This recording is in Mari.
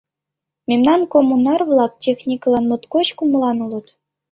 — Мемнан коммунар-влак техникылан моткоч кумылан улыт.